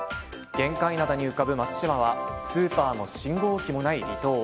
玄界灘に浮かぶ松島はスーパーも信号機もない離島。